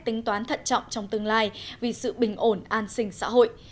tính toán thận trọng trong tương lai vì sự bình ổn an sinh xã hội